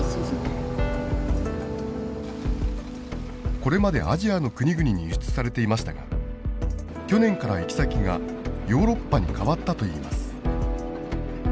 これまでアジアの国々に輸出されていましたが去年から行き先がヨーロッパに変わったといいます。